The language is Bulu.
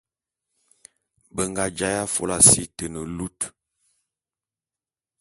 Be nga jaé afôla si te ne lut.